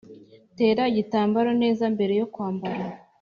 tera igitambaro neza mbere yo kwambara.